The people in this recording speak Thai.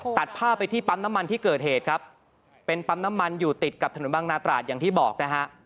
ตัดภาพไปที่ปั๊มน้ำมันที่เกิดเหตุครับเป็นปั๊มน้ำมันอยู่ติดกับถนนบางนาตราดอย่างที่บอกนะฮะ